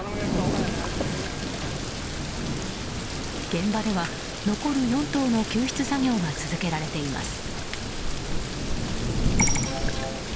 現場では、残る４頭の救出作業が続けられています。